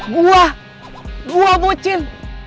gua gua bucin